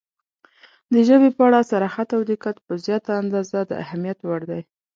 • د ژبې په اړه صراحت او دقت په زیاته اندازه د اهمیت وړ دی.